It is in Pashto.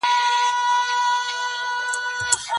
پيغور ورکول ډير ناوړه عمل دی.